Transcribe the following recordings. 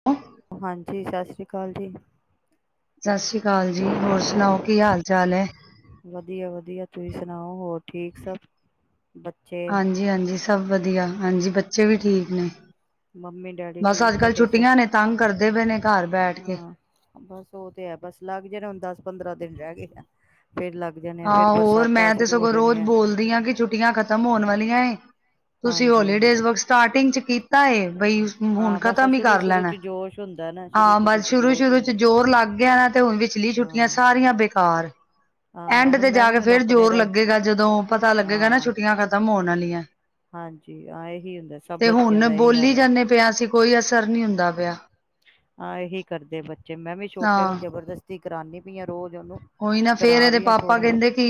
ਹਮ [unintelligible] ਹਾਂਜੀ ਸਤਿ ਸ਼੍ਰੀ ਅਕਾਲ ਜੀ, ਸਤਿ ਸ਼੍ਰੀ ਅਕਾਲ ਜੀ ਹੋਰ ਸੁਣਾਓ ਕੀ ਹਾਲ ਚਾਲ ਹੈ, ਵਧੀਆ- ਵਧੀਆ, ਤੁਸੀਂ ਸੁਣਾਓ ਹੋਰ ਠੀਕ ਸਭ, ਬ ਹਾਂਜੀ- ਹਾਂਜੀ ਸਭ ਵਧੀਆ, ਹਾਂਜੀ ਬੱਚੇ ਵੀ ਠੀਕ ਨੇ। ਮੰਮੀ- ਡੈਡੀ ਬਸ ਠੀਕ ਅੱਜ-ਕੱਲ੍ਹ ਤੁਆਡੇ ਸ ਛੁੱਟੀਆਂ ਨੇ ਤੰਗ ਕਰਦੇ ਬੇ ਨੇ। ਘਰ ਬੈਠ ਕੇ। ਹਾਂ, ਬਸ ਓ ਤੇ ਹੈ ਬਸ ਲੱਗ ਜਾਣੇ ਹੁਨ ਦਸ, ਪੰਦਰਾਂ ਦਿਨ ਰੈ ਗੇ ਆ ਫੇਰ ਲੱਗ ਜਾਣੇ। ਆ ਫੇਰ ਹਾਂ, ਹੋਰ ਬਰਸਾਤਾਂ ਮੈਂ ਤੇ ਸ਼ੁਰੂ ਹੋ ਸਗੋਂ ਰੋਜ਼ ਜਾਣੀਆਂ ਬੋਲਦੀ ਆ ਕਿ ਛੁੱਟੀਆਂ ਖਤਮ ਹੋਨ ਵਾਲੀਆਂ ਏ। ਤੁਸੀਂ ਹਾਂਜੀ ਹੋਲੀਡੇਜ਼ ਵਰਕ ਸਟਾਰਟਿੰਗ ਚ ਕੀਤਾ ਏ ਬਈ ਹ - ਹੁਣ ਹਾਂ ਬਸ ਖਤਮ ਈ ਸ਼ੁਰੂ ਕਰ ਸ਼ੁਰੂ ਲੈਣੈ। ਚ ਜੋਸ਼ ਹੁੰਦੈ ਨਾ। ਸ਼ੁਰੂ ਹਾਂ ਬਸ ਚ ਸ਼ੁਰੂ- ਜੋਸ਼ ਸ਼ੁਰੂ ਚ ਹੁੰਦਾ ਜ਼ੋਰ ਲੱਗ ਗਿਆ ਨਾ ਤੇ ਹੁਨ ਵਿਚਲੀ ਛੁੱਟੀਆਂ ਹਾਂ ਸਾਰੀਆਂ ਬੇਕਾਰ। ਹਾਂ ਐਂਡ ਹੁਣ ਤੇ ਮੈਂ ਜਾ ਵੀ ਕੇ ਹੁਣ ਫੇਰ ਆਪਣੇ ਜ਼ੋਰ ਦਾ ਲੱਗੇਗਾ ਜਦੋਂ ਪਤਾ ਲੱਗੇਗਾ ਨਾ ਹਾਂ ਛੁੱਟੀਆਂ ਖ਼ਤਮ ਹੋਨ ਆਲੀਐ। ਹਾਂਜੀ, ਆ ਏਹੀ ਹੁੰਦੈ। ਸਭ ਬੱਚਿਆਂ ਹੁਣ ਦਾ ਏਹੀ ਬੋਲੀ ਹਾਲ ਐ। ਜਾਂਦੇ ਪਿਆ ਸੀ ਕੋਈ ਅਸਰ ਨੀ ਹੁੰਦਾ ਬਿਆ। ਆ ਏਹੀ ਕਰਦੇ ਬੱਚੇ। ਮੈਂ ਵੀ ਛੋਟੇ ਨੂੰ ਹਾਂ ਜਬਰਦਸ ਤੀ ਕਰਾਨੀ ਪਈ ਆ ਰੋਜ਼ ਓਨੂੰ, ਉਹੀ ਨਾ ਫੇਰ ਕਰਾ ਇਹਦੇ ਰੀ ਆ ਪਾਪਾ ਥੋੜਾ ਕਹਿੰਦੇ ਕਿ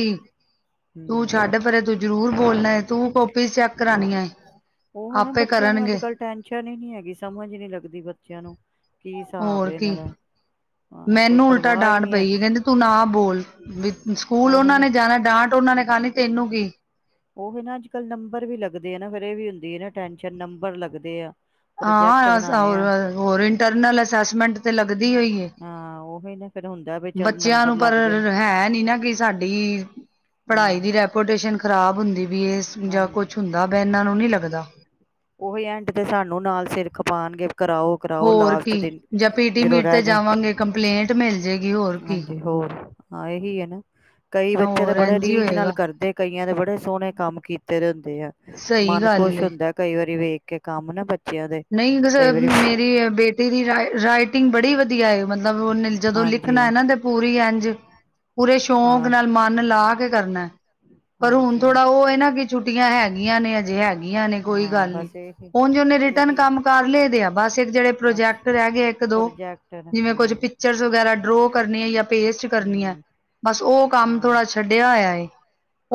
ਤੂੰ ਹੂੰ ਛੱਡ ਪਰੇ ਤੂੰ ਜ਼ਰੂਰ ਬੋਲਨਾ ਏ, ਤੂੰ ਕੋਪੀਜ਼ ਚੈੱਕ ਕਰਾਣੀਆਂ ਏ। ਓ ਹੈ ਨਾ ਆਪੇ ਬੱਚਿਆਂ ਨੂੰ ਅੱਜ ਕਰਨਗੇ -ਕੱਲ ਟੈਨਸ਼ਨ ਈ ਨੀ ਹੈਗੀ, ਸਮਝ ਈ ਨੀ ਲੱਗਦੀ ਬੱਚਿਆਂ ਨੂੰ। ਕੀ ਹਿਸਾਬ ਹੋਰ ਏਨਾਂ ਕੀ ਦਾ। ਹਾਂ ਕੋਈ ਮੈਨੂੰ ਉਲਟਾ ਪਰਵਾਹ ਹੀ ਡਾਂਟ ਨਹੀਂ ਪਈ ਹੈਗੀ ਏ ਕੈਂਦੇ ਤੂੰ ਨਾ ਬੋਲ। ਵੀ ਸਕੂਲ ਉਹ ਹੈ ਓਨਾਂ ਨਾ ਨੇ ਜਾਣੈ, ਡਾਂਟ ਓਨਾਂ ਨੇ ਖਾਣੀ ਤੈਨੂੰ ਕੀ। ਓ ਵੀ ਨਾ ਅੱਜ ਕੱਲ੍ਹ ਨੰਬਰ ਵੀ ਲੱਗਦੇ ਆ ਨਾ ਫਿਰ ਏ ਵੀ ਹੁੰਦੀ ਏ ਨਾ ਟੈਸ਼ਨ, ਨੰਬਰ ਲੱਗਦੇ ਆ। ਪ੍ਰੋਜੈਕਟ ਹਾਂ ਬਣਾਣੇ ਆ [unintelligible] ਹੋਰ ਇੰਟਰਨਲ ਅਸੈਸਮੈਂਟ ਤੇ ਲੱਗਦੀ ਓਈ ਏ। ਹਾਂ, ਓ ਵ ਨਾ ਫੇਰ ਹੁੰ ਬੱਚਿਆਂ ਨੂੰ ਪਰ ਹੈ ਨੀ ਨਾ ਕਿ ਸਾਡੀ ਹਾਂ ਪੜਾਈ ਦੀ ਰੈ ਰੇਪੋਟੇਸ਼ਨ ਖ਼ਰਾਬ ਹੁੰਦੀ ਵੀ ਏ ਜਾਂ ਕੁਛ ਹਾਂਜੀ ਹੁੰਦਾ ਬਿਆ ਇਨਾਂ ਨੂੰ ਨੀ ਲੱਗਦਾ। ਉਹੀ ਐਂਡ ਤੇ ਸਾਨੂੰ ਨਾਲ ਸਿਰ ਖਪਾਂਗੇ, ਨਾਲ ਕਰਾਓ ਕਰਾਓ ਹੋਰ ਕੀ ਲਾਸਟ ਦਿਨ ਜਾਂ ਪੀਟੀ ਜਦੋ ਮੀਟ ਰੈ ਤੇ ਜਨ। ਜਾਵਾਂਗੇ ਕੰਪਲੇਂਟ ਮਿਲ ਜੇਗੀ ਹੋਰ ਕੀ। ਹਾਂਜੀ ਹੋਰ, ਹਾਂ ਏਹੀ ਏ ਨਾ। ਕਈ ਬੱਚੇ ਤਾਂ ਹੋਰ ਬੜੇ ਇੰਝ ਹੀ ਰੀਝ ਨਾਲ ਹੋਏਗਾ ਕਰਦੇ ਕਈਆਂ ਦੇ ਬੜੇ ਸੋਣੇ ਕੰਮ ਕੀਤੇ ਦੇ ਹੁੰਦੇ ਐ, ਸਹੀ ਮਨ ਗੱਲ ਖੁਸ਼ ਏ। ਹੁੰਦੈ ਕਈ ਵਾਰੀ ਵੇਖ ਕੇ ਕੰਮ ਨਾ ਬ ਨਈ [unintelligible] ਮੇਰੀ ਬੇਟੇ ਦੀ ਰਾਈ - ਰਾਈਟਿੰਗ ਬੜੀ ਵਧੀਆ ਏ, ਮਤਲਬ ਓਨੇ ਲ ਜਦੋਂ ਹਾਂਜੀ ਲਿਖਨਾ ਏ ਨਾ ਤੇ ਪੂਰੀ ਐਂਜ, ਪੂਰੇ ਸ਼ੌਕ ਹਾਂ ਨਾਲ ਮਨ ਲਾ ਕੇ ਕਰਨੈ ਜ ਪਰ ਹੁਣ ਹਾਂਜੀ ਥੋੜਾ ਓ ਏ ਨਾ ਕਿ ਛੁੱਟੀਆਂ ਹੈਗੀਆਂ ਨੇ, ਅਜੇ ਹੈ ਹੈਗੀਆਂ ਨੇ ਕੋਈ ਹਾਂ ਗੱਲ ਨੀ। ਬਸ ਇਹੀ ਓੰਜ ਓਨੇ ਰ ਰਿੱਟਨ ਇਹੀ ਕੰਮ ਕਰ ਲਏ ਦੇ ਆ, ਬਸ ਏਕ ਜੇੜੇ ਪ੍ਰੋਜੈਕਟ ਅੱਛਾ ਰੈ ਗੇ ਏਕ, ਦੋ ਪ੍ਰੋਜੈਕਟਰ ਹਾਂ ਜਿਵੇਂ ਕੁੱਝ ਪਿਚਰਸ ਵਗੈਰਾ ਡਰੋ ਕਰਨੀ ਐ, ਜਾਂ ਪੇਸਟ ਕਰਨੀ ਐ, ਹਮ ਬਸ ਓ ਕੰਮ ਹਾਂ ਥੋੜਾ ਛੱਡਿਆ ਹੋਇਆ ਏ।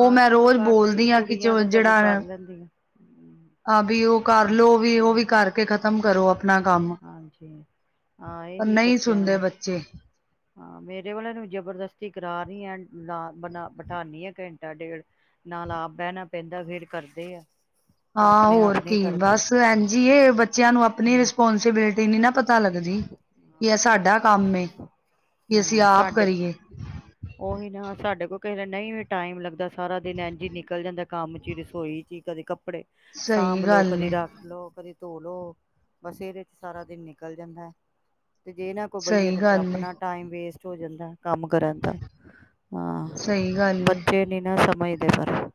ਓ ਮੈਂ ਚਲੋ ਰੋਜ਼ ਕਰ ਲਏਗੀ ਬੋਲਦੀ ਆ ਕਿ ਕੁੜੀਆਂ ਜੌ ਤਾਂ ਸਗੋਂ -ਜੇੜਾ ਕਰ ਲੈਂਦੀਆਂ ਹੂੰ ਆ ਬਈ ਓ ਹਾਂ ਕਰਲੋਂ ਵੀ, ਓ ਵੀ ਕਰਕੇ ਖ਼ਤਮ ਕਰੋ ਅਪ ਅਪਣਾ ਕੰਮ, ਹਾਂਜੀ ਹਾਂ ਪਰ ਇਹੀ ਨਈ ਬੱਚਿਆਂ ਸੁਣਦੇ ਨੂੰ ਬੱਚੇ। ਹਾਂ, ਮੇਰੇ ਵਾਲੇ ਨੂੰ ਜਬਰਦਸਤੀ ਕਰਾ ਰੀ ਆ ਐਨ ਬਲਾ, ਬ -ਬਠਾਨੀ ਆ ਘੈਟਾ- ਡੇਢ, ਨਾਲ ਆਪ ਬੈਣਾ ਪੈਂਦੈ ਫੇਰ ਕਰਦੇ ਆ। ਆਪਣੇ ਹਾਂ-ਹੋਰ ਆਪ ਨਹੀਂ ਕੀ, ਕਰਦੇ ਬਸ ਐਨਜੀ ਏ ਬੱਚਿਆਂ ਨੂੰ ਅਪਣੀ ਹੂੰ ਰਿਸਪੋਂਸੀਬਿਲੀਟੀ ਨੀ ਨਾ ਪਤਾ ਪਤਾ ਲੱਗੇ ਜੀ, ਕਿ ਐ ਉਹ ਕਹਿੰਦੇ ਸਾਡਾ ਨਹੀਂ ਕੰਮ ਏ ਕਿ ਅਸੀਂ ਆਪ ਕਰੀਏ। ਓਹੀ ਨਾ ਸਾਡੇ ਕੋਲ ਕਈ ਵਾਰ ਨਈ ਵੀ ਟਾਈਮ ਲੱਗਦਾ, ਸਾਰਾ ਦਿਨ ਐਂਜ ਈ ਨਿਕਲ ਜਾਂਦੈ ਕੰਮ ਚ ਈ, ਰਸੋਈ ਚ ਈ, ਕਦੇ ਕੱਪੜੇ ਸਾਂਭ ਸਹੀ ਲੋ ਗੱਲ ਕਦੀ ਏ ਰੱਖ ਰੱਖ ਲੋ ਕਦੇ ਧੋ ਲਓ ਬਸ ਇਹਦੇ ਚ ਸਾਰਾ ਦਿਨ ਨਿਕਲ ਜਾਂਦਾ ਤੇ ਜੇ ਨਾ ਬਹਿਏ ਸਹੀ ਤੇ ਫੇਰ ਗੱਲ ਏ ਆਪਣਾ ਟਾਈਮ ਵੇਸਟ ਹੋ ਜਾਂਦਾ ਕੰਮ ਕਰਨ ਦਾ ਹਾਂ ਸਹੀ ਗੱਲ ਏ ਬੱਚੇ ਨੀ ਨਾ ਸਮਝਦੇ ਪਰ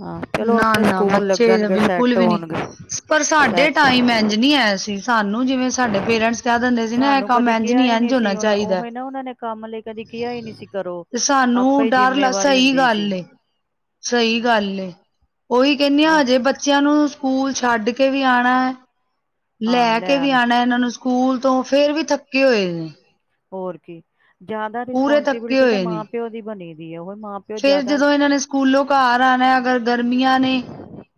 ਹਾਂ ਚਲੋ ਨਾ ਆਪੇ ਨਾ ਸਕੂਲ ਬੱਚੇ ਤਾਂ ਲੱਗਣਗੇ ਬਿਲਕੁਲ ਸੈੱਟ ਵੀ ਨੀ‌ ਹੋਣਗੇ ਪਰ ਸਾਡੇ ਸੈੱਟ ਟਾਈਮ ਇਜ ਨਹੀਂ ਹੈ ਸੀ ਸਾਨੂੰ ਜਿਵੇਂ ਸਾਡੇ ਪੇਰੈਂਟਸ ਕਹਿ ਦਿੰਦੇ ਸੀ ਨਾ ਇਹ ਸਾਨੂੰ ਕੰਮ ਕਦੀ ਇੰਝ ਕਿਹਾ ਨਹੀਂ ਹੀ ਇੰਝ ਹੋਣਾ ਸੀ ਉਹ ਚਾਹੀਦੇ ਉਹ ਨਾ ਉਹਨਾਂ ਨੇ ਕੰਮ ਲਈ ਕਦੀ ਕਿਹਾ ਹੀ ਨਹੀਂ ਸੀ ਕਰੋ ਤੇ ਸਾਨੂੰ ਆਪੇ ਡਰ ਲ ਜਿੰਮੇਵਾਰੀ ਸਹੀ ਹੁੰਦੀ ਸੀ ਗੱਲ ਏ ਸਹੀ ਗੱਲ ਹਮ ਏ ਉਹੀ ਕਹਿੰਨੀ ਆ ਉਹ ਹਜੇ ਬੱਚਿਆਂ ਨੂੰ ਸਕੂਲ ਛੱਡ ਕੇ ਵੀ ਆਣਾ ਹਾਂ ਲੈ ਕੇ ਵੀ ਲੈਣ ਆਣਾ ਇਹਨਾਂ ਨੂੰ ਸਕੂਲ ਤੋਂ ਫੇਰ ਵੀ ਥੱਕੇ ਹੋਏ ਨੇ ਹੋਰ ਕੀ ਜ਼ਿਆਦਾ ਪੂਰੇ ਥੱਕੇ ਰਿਸਪੋਂਸੀਬਿਲਿਟੀ ਤੇ ਹੋਏ ਨੇ ਮਾਂ ਪਿਓ ਦੀ ਬਣੀ ਦੀ ਹੈ ਹੁਣ ਮਾਂ ਪਿਓ ਫੇਰ ਜ਼ਿਆਦਾ ਜਦੋਂ ਇਹਨਾਂ ਨੇ ਸਕੂਲੋਂ ਘਰ ਆਣਾ ਅਗਰ ਗਰਮੀਆਂ ਨੇ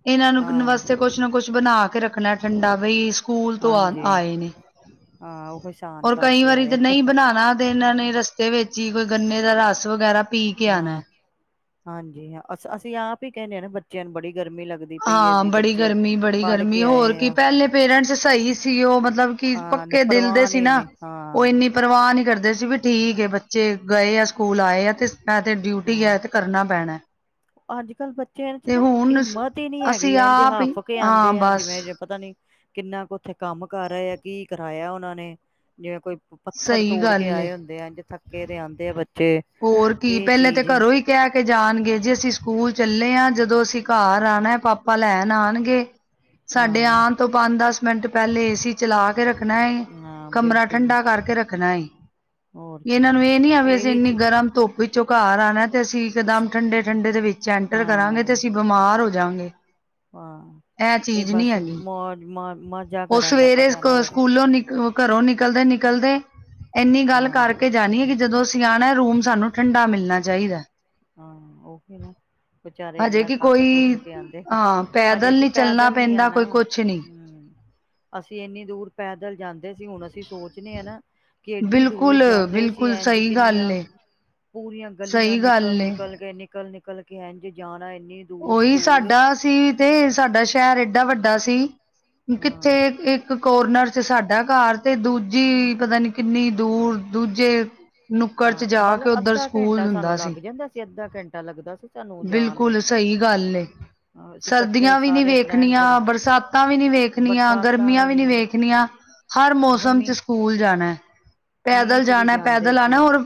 ਇਹਨਾਂ ਨੂੰ ਹਾਂ ਵਾਸਤੇ ਕੁਛ ਨਾ ਕੁਛ ਬਣਾ ਕੇ ਰੱਖਣਾ ਠੰਡਾ ਬਈ ਸਕੂਲ ਤੋਂ ਆ ਹਾਂਜੀ ਆਏ ਨੇ ਹਾਂ ਉਹ ਕੋਈ ਸਾਨ ਔਰ ਕਈ ਕਰਕੇ ਵਾਰੀ ਤੇ ਆਏ ਨਹੀਂ ਬਣਾਣਾ ਤੇ ਇਹਨਾਂ ਨੇ ਰਸਤੇ ਵਿੱਚ ਹੀ‌ ਕੋਈ ਗੰਨੇ ਦਾ ਰਸ ਵਗੈਰਾ ਪੀ ਕੇ ਆਣਾ। ਹਾਂ ਹਾਂਜੀ ਹਾਂ ਅ ਅਸੀਂ ਆਪ ਹੀ ਕਹਿਣੇ ਆ ਨਾ ਬੱਚਿਆਂ ਨੂੰ ਬੜੀ ਗਰਮੀ ਲੱਗਦ ਹਾਂ ਬੜੀ ਗਰਮੀ ਬੜੀ ਗਰਮੀ ਹੋਰ ਆਏ ਕੀ ਆ ਪਹਿਲੇ ਪੇਰੈਂਟਸ ਸਹੀ ਸੀ ਉਹ ਮਤਲਬ ਕੀ ਹਾਂ ਪੱਕੇ ਦਿਲ ਦੇ ਪਰਵਾਹ ਸੀ ਨੇ ਨਾ ਨੇ ਹਾਂ ਉਹ ਇੰਨੀ ਪਰਵਾਹ ਨਹੀਂ ਕਰਦੇ ਸੀ ਵੀ ਠੀਕ ਬੱਚੇ ਚੇ ਗਏ ਆ ਸਕੂਲ ਆਏ ਆ ਤੇ ਐ ਤੇ ਡਿਊਟੀ ਐ ਹਾਂ ਤੇ ਕਰਨਾ ਪੈਣਾ ਅੱਜ ਕੱਲ੍ਹ ਬੱਚਿਆਂ ਚ ਤੇ ਨਾ ਹੁਣ ਹਿੰਮਤ ਤ ਹੀ ਨੀ ਹੈਗੀ ਅਸੀਂ ਇੰਝ ਆਪ ਹੀ ਹੱਫ ਕੇ ਹਾਂ ਆਂਦੇ ਆ ਬਸ। ਜਿਵੇਂ ਪਤਾ ਨੀ ਕਿੰਨਾ ਕ ਉੱਥੇ ਕੰਮ ਕਰ ਆਏ ਆ ਕੀ ਕਰਾਇਆ ਉਹਨਾਂ ਨੇ ਜਿਵੇਂ ਕੋਈ ਪੱਥਰ ਸਹੀ ਤੋੜ ਕੇ ਗੱਲ ਏ। ਆਏ ਹੁੰਦੇ ਆ ਇੰਝ ਥੱਕੇ ਦੇ ਆਦੇ ਆ ਬੱਚੇ ਹੋਰ ਕੀ ਇਹ ਪਹਿਲੇ ਤੇ ਚੀਜ਼ ਐ ਘਰੋਂ ਹੀ ਕਹਿ ਕੇ ਜਾਣਗੇ ਜੀ ਅਸੀਂ ਸਕੂਲ ਚੱਲੇ ਆ ਜਦੋਂ ਅਸੀਂ ਘਰ ਆਣਾ ਪਾਪਾ ਲੈਣ ਆਣਗੇ ਸਾਡੇ ਹਾਂ ਆਣ ਤੋਂ ਪੰਜ ਦਸ ਮਿੰਟ ਪਹਿਲੇ ਏ ਸੀ ਚਲਾ ਕੇ ਰੱਖਣਾ ਏ ਹਾਂ ਕਮਰਾ ਬਿਲਕੁਲ ਠੰਡਾ ਕਰਕੇ ਰੱਖਣਾ ਏ ਹੋਰ ਕੀ ਇਹਨਾਂ ਨੂੰ ਇਹ ਨੀ ਆ ਵੀ ਅਸੀਂ ਇਹੀ ਇੰਨੀ ਚੀ ਗਰਮ ਧੁੱਪ ਵਿੱਚੋਂ ਘਰ ਆਣਾ ਤੇ ਅਸੀਂ ਇਕਦਮ ਠੰਡੇ- ਠੰਡੇ ਦੇ ਵਿੱਚ ਐਂਟਰ ਕਰਾਂਗੇ ਤੇ ਹਾਂ ਅਸੀਂ ਬਿਮਾਰ ਹੋ ਜਾਂਗੇ ਹਾਂ ਇਹ ਚੀਜ਼ ਨਹੀਂ ਬਸ ਹੈਗੀ। ਮੋਜ ਮ ਮੋਜ਼ਾ ਕਰਨ ਦਾ ਪਤਾ ਨਾ ਬਸ ਨਿਕਲੋ ਘਰੋਂ ਨਿਕਲਦੇ ਨਿਕਲਦੇ ਇੰਨੀ ਗੱਲ ਹਾਂ ਕਰਕੇ ਜਾਣੀ ਐ ਕਿ ਜਦੋਂ ਅਸੀਂ ਆਣਾ ਰੂਮ ਸਾਨੂੰ ਠੰਡਾ ਮਿਲਣਾ ਚਾਹੀਦੇ ਹਾਂ ਉਹੀ ਨਾ ਵਿਚਾਰੇ ਹਜੇ ਇਨਾ ਕਿ ਥੱਕ ਕੋਈ ਥੁੱਕ ਕੇ ਆਂਦੇ ਆ ਹਾਂ ਹਜੇ ਪੈਦਲ ਕਿ ਨਹੀਂ ਚੱਲਣਾ ਪੈਦਲ ਨੀ ਪੈਂਦਾ ਕੋਈ ਆਣਾ ਹੂੰ ਕੁਛ ਨਹੀਂ [inaudible] ਅਸੀਂ ਇੰਨੀ ਦੂਰ ਪੈਦਲ ਜਾਂਦੇ ਦੇ ਸੀ ਹੁਣ ਅਸੀਂ ਸੋਚਣੇ ਆ ਨਾ ਕਿ ਐਡੀ ਦੂਰ ਬਿਲਕੁਲ ਜਾਂਦੇ ਸੀ ਬਿਲਕੁਲ ਇੰਝ ਸਹੀ ਕਿੰਨੀਆਂ ਗੱਲ ਏ ਪੂਰੀਆਂ ਗਲੀਆਂ ਸਹੀ ਨਿ ਗੱਲ ਏ ਨਿਕਲ ਕੇ, ਨਿਕਲ, ਨਿਕਲ ਕੇ ਐਝ ਜਾਣਾ ਇੰਨੀ ਦੂਰ ਉਹੀ ਸਕੂਲ ਸਾਡਾ ਸੀ ਤੇ ਸਾਡਾ ਸ਼ਹਿਰ ਏਡਾ ਵੱਡਾ ਸੀ ਹਾਂ ਕਿੱਥੇ ਕੋਰਨਰ ਚ ਸਾਡਾ ਘਰ ਤੇ ਦੂਜੀ ਪਤਾ ਨੀ ਕਿੰਨੀ ਦੂਰ ਦੂਜੇ ਨੁੱਕੜ 'ਚ ਹਾਂ ਜਾ ਮਤਲਬ ਕੇ ਉੱਧਰ ਅੱਧਾ ਘੰਟਾ ਸਕੂਲ ਸਾਨੂੰ ਹੁੰਦਾ ਲੱਗ ਜਾਂਦਾ ਸੀ ਅੱਧਾ ਘੰਟਾ ਲੱਗਦਾ ਸੀ ਸਾਨੂੰ ਜਾਣ ਨੂੰ ਬਿਲਕੁਲ, ਸਹੀ ਗੱਲ ਏ ਅਸੀਂ ਇਕੱਠੇ ਸਰਦੀਆਂ ਵੀ ਨੀ ਸਾਰੇ ਵੇਖਣੀਆਂ, ਫਰੈਂਡਸ ਬਰਸਾਤਾਂ ਵੀ ਨੀ ਵੇਖਣੀਆਂ, ਗਰਮੀਆਂ ਵੀ ਨੀ ਵੇਖਣੀਆਂ ਹਰ ਉਹ ਮੌਸਮ ਚ ਮੀਂਹ ਸਕੂਲ ਜਾਣਾ ਮੀਂਹ ਪੈਦਲ ਚ ਵੀ ਜਾਣਾ ਜਾਂਦੇ ਪੈਦਲ ਆਣਾ ਸੀ ਔਰ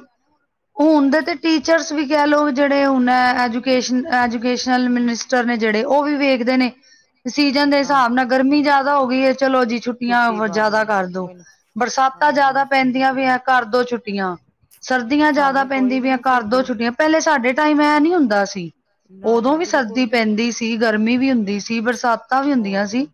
ਹੁਣ ਦੇ ਤੇ ਟੀਚਰਸ ਵੀ ਕਹਿ ਲਓ ਜਿਹੜੇ ਹੁਣ ਐਜੂਕੇਸ਼ਨ ਐਜੂ ਕੇਸ਼ਨ ਮਿਨਿਸਟਰ ਨੇ ਜਿਹੜੇ ਉਹ ਵੀ ਵੇਖਦੇ ਨੇ ਸੀਜਨ ਦੇ ਹਾਂ ਹਿਸਾਬ ਨਾਲ ਗਰਮੀ ਜਿਆਦਾ ਹੋ ਗਈ ਹੈ ਚਲੋ ਜੀ ਛੁੱਟੀ ਛੁੱਟੀਆਂ ਪਾ ਜ਼ਿਆਦਾ ਕਰ ਦੋ ਬਰਸਾਤਾਂ ਜ਼ਿਆਦਾ ਹਾਂ ਪੈਂਦੀਆਂ ਵੀ ਹੈ ਘਰ ਦੋ ਛੁੱਟੀਆਂ ਸਰਦੀਆਂ ਜ਼ਿਆਦਾ ਸਾਨੂੰ ਪੈਂਦੀ ਕੋਈ ਵੀ ਆ ਨਹੀਂ ਸੀ ਕਰ ਦੋ ਹੁੰਦੀ ਛੁੱਟੀਆਂ ਪਹਿਲੇ ਸਾਡੇ ਟਾਈਮ ਐਂ ਨੀ ਹੁੰਦਾ ਸੀ ਨਾ ਨਾ ਉਦੋਂ ਵੀ ਸਰਦੀ ਬਿਲਕੁਲ ਨੀ ਪੈਂਦੀ ਸੀ ਗਰਮੀ ਵੀ ਹੁੰਦੀ ਸੀ ਬਰਸਾਤ ਵੀ ਹੁੰਦੀਆਂ ਹੋਰ ਕੀ ਸੀ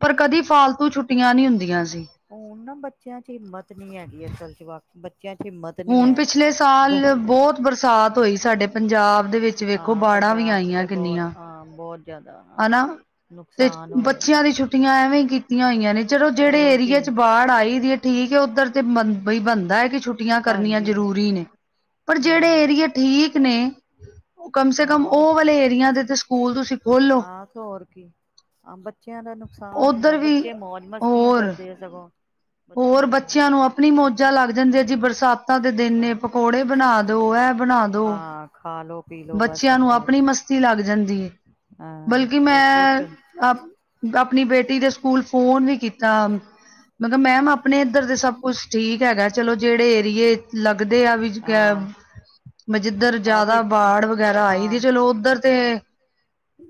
ਪਰ ਕਦੀ ਫਾਲਤੂ ਛੁੱਟੀਆਂ ਨਹੀਂ ਹੁੰਦੀਆਂ ਸੀ ਹੁਣ ਨਾ ਬੱਚਿਆਂ ਚ ਹਿੰਮਤ ਨੀ ਹੈਗੀ ਅਸਲ ਚ ਵਕ ਬੱਚਿਆਂ ਚ ਹਿੰਮਤ ਨਹੀਂ ਹੁਣ ਹੈ ਪਿਛਲੇ ਸਾਲ ਬਹੁਤ ਬਰਸਾਤ ਹੋਈ ਸਾਡੇ ਪੰਜਾਬ ਦੇ ਵਿੱਚ ਵੇਖੋ ਹਾਂ ਬਾੜਾਂ ਵੀ ਪੰਜਾਬ ਚ ਆਈਆਂ ਤੇ ਕਿੰਨੀਆਂ ਬਹੁਤ ਹਾਂ ਬਹੁਤ ਜ਼ਿਆਦਾ ਹਨਾ ਤੇ ਨੁਕਸਾਨ ਹੋਇਆ ਬੱਚਿਆਂ ਦੀ ਛੁੱਟੀ ਛੁੱਟੀਆਂ ਐਵੇਂ ਕੀਤੀਆਂ ਹੋਈਆਂ ਨੇ ਚਲੋ ਜਿਹੜੇ ਹੋਰ ਕੀ ਏਰੀਏ ਚ ਬਾੜ ਆਈ ਦੀ ਹੈ ਠੀਕ ਉੱਧਰ ਤੇ ਬ ਬਈ ਬੰਦਾ ਹੈ ਕਿ ਛੁੱਟੀ ਛੁਟੀਆਂ ਕਰਨੀਆਂ ਹਾਂਜੀ ਜ਼ਰੂਰੀ ਨੇ ਪਰ ਹਾਂ ਜਿਹੜੇ ਏਰੀਏ ਠੀਕ ਨੇ ਕਮ ਸੇ ਕਮ ਹਾਂ ਉਹ ਉੱਥੇ ਵਾਲੇ ਏਰੀਆ ਦੇ ਤੇ ਸਕੂਲ ਤੁਸੀਂ ਖੋਲੋ ਹਾਂ ਤੇ ਹੋਰ ਕੀ ਹਾਂ ਬੱਚਿਆਂ ਦਾ ਨੁਕਸਾਨ ਹੁੰਦਾ ਉੱਧਰ ਵੀ ਬੱਚੇ ਮੌਜ ਮਸਤੀਆਂ ਹੋਰ ਕਰਦੇ ਆ ਸਗੋਂ ਹੋਰ ਲਈ ਬੱਚਿਆਂ ਮੌਜਾਂ ਨੂੰ ਆਪਣੀ ਲੱਗਦਾ ਮੌਜਾਂ ਲੱਗ ਜਾਂਦੇ ਆ ਜੀ ਬਰਸਾਤ ਤਾ ਦੇ ਦਿਨੇ ਪਕੌੜੇ ਬਣਾ ਹਾਂ ਦੋ ਇਹ ਬਣਾ ਦੋ ਹਾਂ ਖਾ ਲੋ ਪੀ ਲੋ ਬਸ ਬੱਚਿਆਂ ਨੂੰ ਹੋਰ ਆਪਣੀ ਕੀ ਮਸਤੀ ਲੱਗ ਜਾਂਦੀ ਹੈ ਹਾਂ ਬਲਕਿ ਉਹ ਖੁਸ਼ ਮੈਂ ਹੁੰ ਆਪ ਆਪਣੀ ਬੇਟੀ ਦੇ ਸਕੂਲ ਫੋਨ ਵੀ ਕੀਤਾ ਮੈ ਕਿਹਾ ਮੈਮ ਆਪਣੇ ਇੱਧਰ ਦੇ ਸਭ ਕੁਛ ਠੀਕ ਹੈਗਾ ਚਲੋ ਜਿਹੜੇ ਏਰੀਏ ਲੱਗਦੇ ਆ ਵਿਚ ਗ਼ੈਬ ਹਾਂ ਜਿੱਧਰ ਆਹ ਭ ਜ਼ਿਆਦਾ ਬਾੜ ਵਗੈਰਾ ਆਈ ਦੀ ਹਾਂ ਚਲੋ ਉੱਧਰ ਤੇ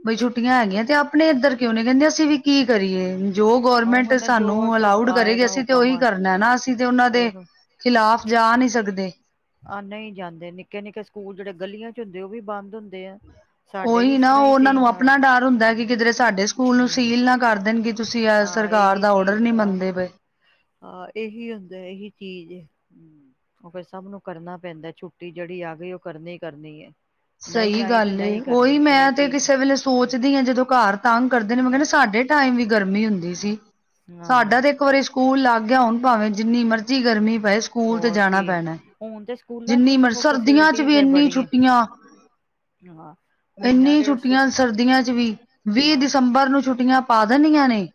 ਬਈ ਛੁੱਟੀਆਂ ਹੈਗੀਆਂ ਤੇ ਆਪਣੇ ਇੱਧਰ ਕਿਉਂ ਨਿ ਕਹਿੰਦੇ ਅਸੀਂ ਵੀ ਕੀ ਕਰੀਏ ਜੋ ਉਹ ਗੌਰਮੈਂਟ ਹੈ ਨਾ ਜੋ ਸਾਨੂੰ ਅਸਰ ਅਲਾਊਡ ਕਰੇਗੀ ਆਏਗਾ ਅਸੀਂ ਤੇ ਹੁਕਮ ਉਹੀ ਕਰਨਾ ਨਾ ਅਸੀਂ ਤੇ ਉਹਨਾਂ ਦੇ ਉਹ ਖਿਲਾਫ਼ ਜਾ ਨਹੀਂ ਸਕਦੇ ਆ ਨਹੀ ਜਾਂਦੇ ਨਿੱਕੇ ਨਿੱਕੇ ਸਕੂਲ ਜਿਹੜੇ ਗਲੀਆਂ ਚ ਹੁੰਦੇ ਉਹ ਵੀ ਬੰਦ ਹੁੰਦੇ ਆ ਸਾਡੇ ਵੀ ਉਹੀ ਇਸ ਨਾ ਤਰ੍ਹਾਂ ਉਹ ਹੀ ਉਹਨਾਂ ਸੀ ਨੂੰ ਹਾਂ ਆਪਣਾ ਡਰ ਹੁੰਦਾ ਕਿ ਕਿਧਰੇ ਸਾਡੇ ਸਕੂਲ ਨੂੰ ਹਮ ਸੀਲ ਨਾ ਕਰ ਦੇਣਗੇ ਤੁਸੀਂ ਹਾਂ ਸਰਕਾਰ ਇਹੀ ਦਾ ਔਡਰ ਨਹੀਂ ਚੀਜ਼ ਮੰਨਦੇ ਪਏ ਹਾਂ ਇਹੀ ਹੁੰਦਾ ਇਹੀ ਚੀਜ਼ ਹੈ ਉਹ ਫਿਰ ਸਭ ਨੂੰ ਕਰਨਾ ਪੈਂਦਾ ਛੁੱਟੀ ਜਿਹੜੀ ਆ ਗਈ ਉਹ ਕਰਨੀ ਕਰਨੀ ਹੈ ਸਹੀ ਗੱਲ ਏ ਉਹੀ ਮੈਂ ਤੇ ਚੀਜ਼ ਕਿਸੇ ਵੇਲੇ ਸੋਚਦੀ ਹਾਂ ਜਦੋਂ ਘਰ ਤੰਗ ਕਰਦੇ ਨੇ ਮੈਂ ਕਹਿੰਦਾ ਸਾਡੇ ਟਾਈਮ ਵੀ ਗਰਮੀ ਹੁੰਦੀ ਸੀ ਹਾਂ ਸਾਡਾ ਤੇ ਇੱਕ ਵਾਰੀ ਸਕ ਸਕੂਲ ਲੱਗ ਗਿਐ ਹੁਨ, ਭਾਵੇਂ ਜਿੰਨੀ ਮਰਜ਼ੀ ਗਰਮੀ ਪਏ ਸਕੂਲ ਤੇ ਹੋਰ ਜਾਣਾ ਕੀ ਪੈਣ ਹੁਣ ਤੇ ਸਕੂਲਾਂ ਚ ਜਿੰਨੀ ਵੀ ਮਰ ਸਗੋਂ ਸਰਦੀਆਂ 'ਚ ਫੈਸਿਲਿਟੀਜ਼ ਵੀ ਹੈ ਇੰਨੀ ਬੜੀਆਂ ਛੁੱਟੀਆਂ ਹਾਂ ਮਹੀਨਾ ਇੰਨੀ ਡੇਢ ਸੌ ਛੁੱਟੀਆਂ ਸਰਦੀਆਂ ‌'ਚ ਵੀ ਵੀਹ ਹਾਂ ਦਸੰਬਰ ਨੂੰ ਛੁੱਟੀਆਂ ਪਾ ਦੇਣੀਆਂ ਨੇ,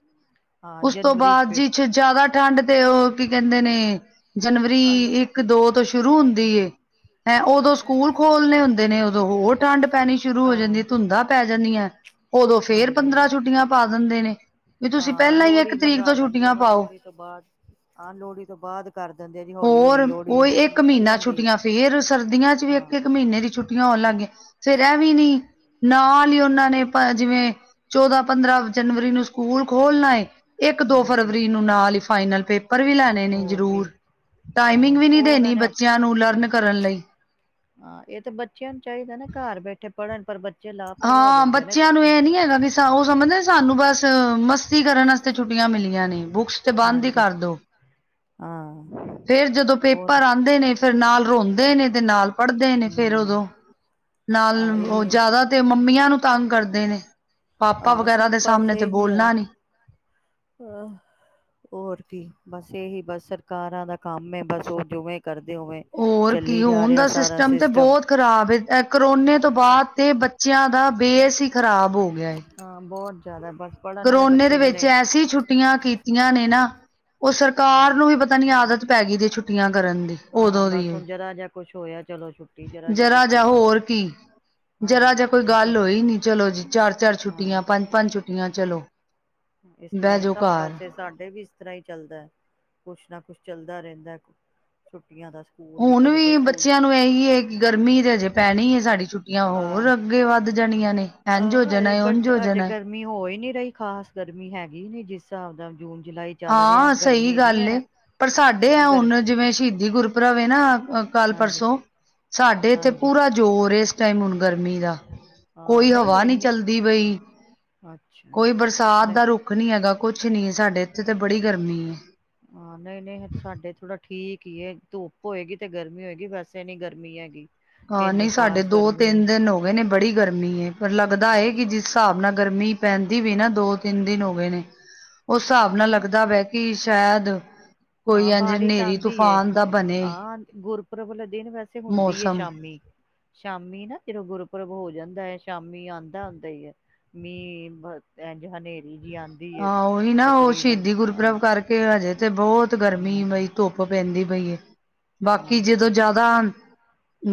ਹਾਂ ਉਸ ਤੋਂ ਜਨਵਰੀ ਚ ਬਾਅਦ ਫਿਰ ਜੀ ਛ ਜਾਦਾ ਠੰਡ ਤੇ, ਉਹ ਕੀ ਕਹਿੰਦੇ ਨੇ ਜਨਵਰੀ ਆਲੋ ਇੱਕ ਦੋ ਤੋਂ ਸ਼ੁਰੂ ਹੁੰਦੀ ਏ, ਤੇ ਉਦੋਂ ਸਕੂਲ ਖੋਲਣੇ ਹੁੰਦ ਦਿਨੇ ਉਦੋਂ ਹੋਰ ਠੰਢ ਪੈਣੀ ਸ਼ੁਰੂ ਹੋ ਜਾਂਦੀ ਹਾਂ ਏ, ਧੁੰਦਾਂ ਪੈ ਜਾਂਦੀਐ ਉਦੋਂ ਫੇਰ ਹਾਂਜੀ ਪੰਦਰਾਂ ਛੁੱਟੀਆਂ ਪਾ ਦਿੰਦੇ ਨੇ। ਵੀ ਤੁਸੀਂ ਹਾਂ, ਪਹਿਲਾਂ ਹੀ ਇੱਕ ਲੋਹੜੀ ਤਰੀਕ ਲੰਘਾ ਤੋਂ ਲੈਂਦੇ ਛੁੱਟੀਆਂ ਹੋ ਪਾਓ ਲੋਹੜੀ ਤੋਂ ਬਾਅਦ, ਹਾਂ ਲੋਹੜੀ ਤੋਂ ਬਾਅਦ ਕਰ ਦਿੰਦੇ ਆ ਜੀ ਹੌਲੀ ਹੌਲੀ ਹੋਰ ਲੋਹੜੀ ਉਹੀ ਹੋ ਇੱਕ ਨਿਕਲ ਮਹੀਨਾ ਜਾਂਦੀ ਐ ਹਾਂ ਮੀਨੇ ਦੀ ਛੁੱਟੀਆਂ ਹੋਣ ਲੱਗ ਗੀਆਂ ਫਿਰਐ ਵੀ ਨੀ ਨਾਲ ਈ ਓਨਾਂ ਨੇ ਜਿਵੇਂ ਚੌਦਾਂ-ਪੰਦਰਾਂ ਜਨਵਰੀ ਨੂੰ ਸਕੂਲ ਖੋਲਣਾ ਏ। ਇੱਕ-ਦੋ ਹਾਂਜੀ ਫਰਵਰੀ ਨੂੰ ਨਾਲ ਈ ਫਾਈਨਲ ਪੇਪਰ ਵੀ ਲੈ ਨਈਂ-ਨਈਂ ਹੋਰ ਕੀ ਜਰੂਰ ਟਾਈਮਿੰਗ ਹੋਰ ਵੀ ਨੀ ਉਹ ਦੇਣੀ ਉਹਨਾਂ ਨੇ ਬੱਚਿਆਂ ਨੂੰ ਲਰਨ ਕਰਨ ਲਈ। ਹਾਂ ਏ ਤੇ ਬੱਚਿਆਂ ਨੂੰ ਚਾਈਦੈ ਨਾ ਘਰ ਬੈਠੇ ਪੜ੍ਹਨ ਪਰ ਬ ਹਾਂ ਬੱਚਿਆਂ ਨੂੰ ਐ ਨੀ ਹੈਗਾ ਵੀ ਸ ਓ ਸਮਝਦੇ ਸਾਨੂੰ ਬਸ ਮਸਤੀ ਕਰਨ ਵਾਸਤੇ ਛੁੱਟੀਆਂ ਮਿਲੀਆਂ ਨੇ ਬੁੱਕਸ ਤੇ ਬੰਦ ਈ ਹਾਂਜੀ ਕਰਦੋ। ਹਾਂ। ਫੇਰ ਜਦੋਂ ਉਹ ਪੇਪਰ ਆਂਦੇ ਨੇ ਫੇਰ ਨਾਲ ਰੋਂਦੇ ਨੇ ਤੇ ਨਾਲ ਪੜ੍ਹਦੇ ਨੇ ਫੇਰ ਹਮ ਓਦੋਂ ਨਾਲ ਆ ਓ ਇਹੀ ਜਾਦਾ ਤੇ ਮੰਮੀਆਂ ਨੂੰ ਤੰਗ ਕਰਦੇ ਨੇ ਪਾਪਾ ਆ ਵਗੈਰਾ ਸਭ ਦੇ ਸਾਮਣੇ ਤੇ ਬੋਲਣਾ ਨੀ। ਹਾਂ। ਹੋਰ ਪੀ ਬਸ ਏਹੀ ਬਸ ਸਰਕਾਰਾਂ ਦਾ ਕੰਮ ਏ। ਬਸ ਓ ਜਵੇਂ ਕਰਦੇ ਓਵੇਂ। ਹੋਰ ਕੀ ਔਨ ਦਾ ਸਿਸਟਮ ਤੇ ਬੋਤ ਖ਼ਰਾਬ ਏ ਐ ਕਰੋਨੇ ਤੋਂ ਬਾਦ ਤੇ ਬੱਚਿਆਂ ਦਾ ਬੇਸ ਈ ਖ਼ਰਾਬ ਹੋ ਗਿਆ ਏ। ਹਾਂ ਬੋ ਜਾਦਾ ਬ ਕਰੋਨੇ ਦੇ ਵਿੱਚ ਐ ਸੀ ਛੁੱ ਟੀਆਂ ਕੀਤੀਆਂ ਨੇ ਨਾ ਓ ਹੂੰ ਸਰਕਾਰ ਨੂੰ ਈ ਪਤਾ ਨੀ। ਆਦਤ ਪੈਗੀ ਦੀ ਛੁੱਟੀਆਂ ਕਰਨ ਦੀ। ਹਾਂ ਓਦੋਂ ਦੀ ਬਸ ਹੁਣ ਜਰਾ ਜਿਹਾ ਕੁਛ ਹੋਇਆ ਚਲੋ ਛੁੱਟੀ ਜਿਹਾ ਜਰਾ ਕੁਛ ਜਾ ਹੋਇਆ ਹੋਰ ਛੁੱਟੀ ਕੀ। ਹਾਂ ਜਰਾ ਜਾ ਕੋਈ ਇਹ ਗੱਲ ਹੋਈ ਨੀ। ਚਲੋ ਜੀ ਚਾਰ-ਚਾਰ ਹਾਂ ਛੁੱਟੀਆਂ, ਪੰਜ-ਪੰਜ ਛੁੱਟੀਆਂ, ਚਲੋ। ਇਸ ਤਰ੍ਹਾਂ ਬਹਿ ਈ ਜੋ ਸਭ ਘਰ। ਪਾਸੇ ਤਾਡੇ ਵੀ ਇਸ ਤਰ੍ਹਾਂ ਈ ਚੱਲਦੈ ਕੁਛ ਨਾ ਕੁਛ ਚੱਲਦਾ ਰੈਂਦੈ ਛੁੱਟੀਆਂ ਦਾ। ਸਕੂਲ ਹੁਣ ਕਦੇ ਕੋਈ ਵੀ ਸਕੂਲ ਬੱਚਿਆਂ ਨੂੰ ਏਹੀ ਏ ਕੀ ਗਰਮੀ ਤੇ ਹਜੇ ਪੈਣੀ ਏ ਸਾਡੀ ਛੁੱ ਟੀਆਂ ਆ ਹੋਰ ਅੱਗੇ ਵੱਧ ਜਾਣੀਆਂ ਨੇ ਐਂਜ ਹੋ ਜਾਣੈ ਏ ਉਂਝ ਹੋ ਜਾਣੈ ਏ। ਨੀ ਹੋ ਈ ਨੀ ਰਈ ਖਾਸ ਗਰਮੀ ਹੈਗੀ ਨੀ ਜਿਸ ਹਿਸਾਬ ਦਾ ਜੂਨ-ਜੁਲਾਈ ਹਾਂ ਸਈ ਗੱਲ ਏ। ਪਰ ਸਾਡੇ ਹਾਂ ਐ ਗਰਮ ਹੁਣ ਜਿਵੇਂ ਸ਼ਹੀਦੀ ਗੁਰਪੁਰਬ ਏ ਨਾ ਅ ਕੱਲ ਹਾਂਜੀ -ਪਰਸੋਂ। ਸਾਡੇ ਏਥੇ ਹਾਂਜੀ ਪੂਰਾ ਜ਼ੋਰ ਏ ਇਸ ਟਾਈਮ ਹੁਣ ਗਰਮੀ ਦਾ। ਹਾਂ ਕੋਈ ਨਹੀਂ ਹਵਾ ਨੀ ਇੰਨੀ ਚੱਲਦੀ ਪਈ ਅੱਛਾ ਕੋਈ ਬਰਸਾਤ ਨਹੀਂ ਦਾ ਰੁੱਖ ਨੀ ਹੈਗਾ। ਕੁਛ ਨੀ ਸਾਡੇ ਇੱਥੇ ਤਾਂ ਬੜੀ ਗਰਮੀ ਏ। ਹਾਂ ਨਈਂ-ਨਈਂ ਸਾਡੇ ਥੋੜਾ ਠੀਕ ਈ ਏ। ਧੁੱਪ ਹੋਏਗੀ ਤੇ ਗਰਮੀ ਹੋਏਗੀ ਵੈਸੇ ਨੀ ਗਰਮੀ ਹੈਗੀ। ਹਾਂ ਇੰਨੀ ਨਈਂ ਸਾਡੇ ਖ਼ਾਸ ਗਰਮੀ ਦੋ-ਤਿੰਨ ਨੀ ਦਿਨ ਹੋ ਗਏ ਨੇ, ਬੜੀ ਗਰਮੀ ਏ ਪਰ ਲੱਗਦਾ ਏ ਅੱਛਾ ਕੀ ਜਿਸ ਹਿਸਾਬ ਨਾਲ ਗਰਮੀ ਪੈਂਦੀ ਵੀ ਨਾ ਦੋ-ਤਿੰਨ ਦਿਨ ਹੋਗੇ ਨੇ। ਓ ਹਿਸਾਬ ਨਾਲ ਲੱਗਦਾ ਪਿਐ ਕਿ ਸ਼ੈਦ ਕੋਈ ਹਾਂ ਐਂਜ ਬਾਰਿਸ਼ ਹਨੇਰੀ - ਆਂਦੀ ਏ। ਤੂਫਾਨ ਦਾ ਬਣੇ। ਹਾਂ ਗੁਰਪੁਰਬ ਵਾਲੇ ਦਿਨ ਵੈਸੇ ਹੁੰਦੀ ਏ ਮੌਸਮ ਸ਼ਾਮੀ। ਸ਼ਾਮੀ ਨਾ ਜਦੋਂ ਗੁਰਪੁਰਬ ਹੋ ਜਾਂਦੈ ਸ਼ਾਮੀ ਆਂਦਾ-ਆਂਦਾ ਈ ਐ। ਮੀਂਹ ਬ ਐਂਜ ਹਨੇਰੀ ਜੀ ਆਂਦੀ ਏ। ਓਹੀ ਨਾ ਓ ਤਕਰੀਬਨ ਸ਼ਹੀਦੀ ਹਾਂ ਗੁਰਪ੍ਰਬ ਕਰਕੇ ਹਜੇ ਤੇ ਬੋਤ ਗਰਮੀ ਹਾਂ ਮਈ ਧੁੱਪ ਪੈਂਦੀ ਪਈ ਏ ਬਾਕੀ ਜਦੋਂ ਹਾਂਜੀ। ਜਾਦਾ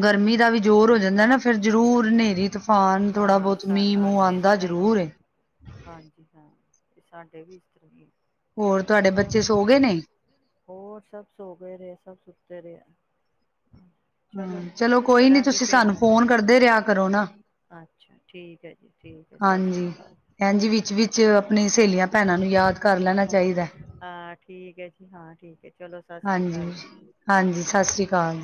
ਗਰਮੀ ਦਾ ਵੀ ਜ਼ੋਰ ਹੋ ਜਾਂਦੈ ਨਾ ਫੇਰ ਜ਼ਰੂਰ ਹਨੇਰੀ ਤ ਫਾਨ ਥੋੜਾ ਹਾਂ ਬੋਤ ਸਾ ਆ ਮੀਂਹ-ਮੂਹ ਇਸ ਆਂਦਾ ਤਰ੍ਹਾਂ ਹੀ ਜ਼ਰੂਰ ਹੁੰਦਾ ਏ। ਹਾਂਜੀ ਹਾਂ ਤੇ ਸਾਡੇ ਵੀ ਇਸ ਤਰਾਂ ਈ ਹੋਰ ਤੁਹਾਡੇ ਬੱਚੇ ਚਲੋ ਸੋ ਗਏ ਨੇ ਹੋਰ ਸਭ ਸੋਗੇ ਦਿਐ ਸਭ ਸੁੱਤੇ ਦਿਐ। ਹ ਚਲੋ ਕੋਈ ਨੀ ਤੁਸੀਂ ਸਾਨੂੰ ਫੋਨ ਕਰਦੇ ਰਿਹਾ ਕਰੋ ਨਾ। ਅੱਛਾ। ਠੀਕ ਹੈ ਜੀ ਠੀਕ ਹੈ ਸਤਿ ਸ਼੍ਰੀ ਅਕਾਲ। ਚ' ਆਪਣੀ ਸਹੇਲੀਆਂ ਭੈਣਾਂ ਨੂੰ ਯਾਦ ਕਰ ਲੈਣਾ ਚਾਹੀਦਾ ਹਾਂ, ਠੀਕ ਹੈ ਜੀ ਹਾਂ ਠੀਕ ਹੈ, ਚਲੋ ਸਤਿ ਸ੍ਰੀ ਹਾਂਜੀ ਅਕਾਲ ਜੀ। ਹਾਂਜੀ। ਸਤਿ ਸ਼੍ਰੀ ਅਕਾਲ।